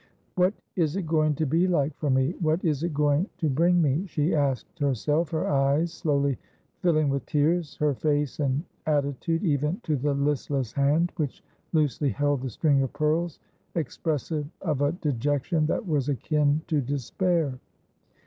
' What is it going to be like for me ? What is it going to bring me ?' she asked herself, her eyes slowly filling with tears, her face and attitude, even to the listless hand which loosely held the string of pearls, expressive of a dejection that was akiu to despair.